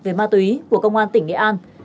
về ma túy của công an tỉnh nghệ an